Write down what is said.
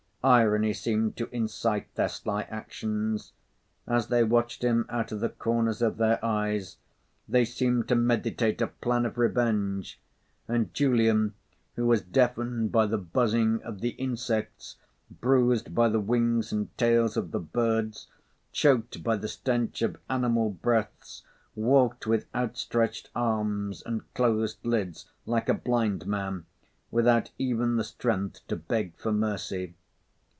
Irony seemed to incite their sly actions. As they watched him out of the corners of their eyes, they seemed to meditate a plan of revenge, and Julian, who was deafened by the buzzing of the insects, bruised by the wings and tails of the birds, choked by the stench of animal breaths, walked with outstretched arms and closed lids, like a blind man, without even the strength to beg for mercy.